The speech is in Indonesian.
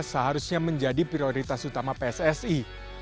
seharusnya menjadi prioritas utama pssi